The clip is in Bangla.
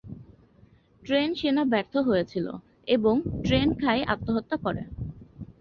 ট্রেন সেনা ব্যর্থ হয়েছিল এবং ট্রেন খাই আত্মহত্যা করে।